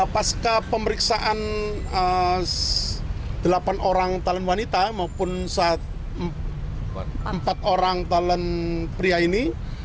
pas pemeriksaan delapan orang pemeran wanita maupun empat orang pemeran pria ini